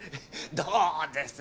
どうです？